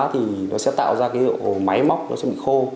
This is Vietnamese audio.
tạo ra cái dụng hồ máy móc nó sẽ bị khô